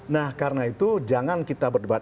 nah karena itu jangan kita berdebat